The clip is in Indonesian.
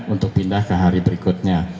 untuk pindah ke hari berikutnya